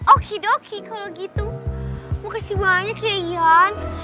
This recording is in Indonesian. oke doki kalau gitu mau kasih banyak ya iyan